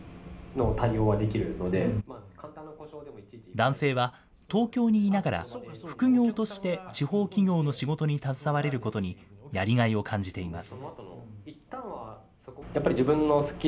男性は東京にいながら、副業として地方企業の仕事に携われることにやりがいを感じています。